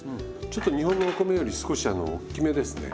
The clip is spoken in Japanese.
ちょっと日本のお米より少しおっきめですね。